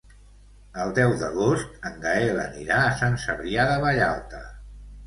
El deu d'agost en Gaël anirà a Sant Cebrià de Vallalta.